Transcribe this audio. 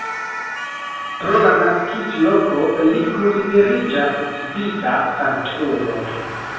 Pro la naskiĝloko li konsideriĝas svisa sanktulo.